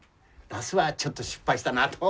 ナスはちょっと失敗したなと。